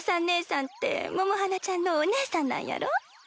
ねえさんって百はなちゃんのおねえさんなんやろ？